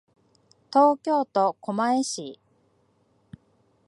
東京都狛江市